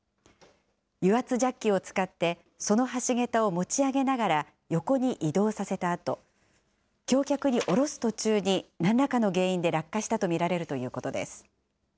油圧ジャッキを使って、その橋桁を持ち上げながら、横に移動させたあと、橋脚に下ろす途中に、なんらかの原因で落下したと見られるということです。